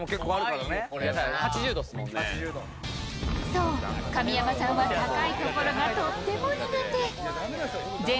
そう、神山さんは高いところがとっても苦手。